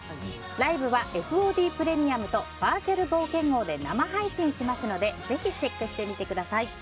ライブは、ＦＯＤプレミアムとバーチャル冒険王で生配信しますのでぜひチェックしてみてください。